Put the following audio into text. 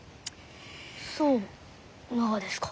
そうながですか。